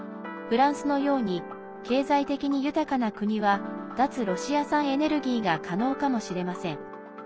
フランスのように経済的に豊かな国は脱ロシア産エネルギーが可能かもしれません。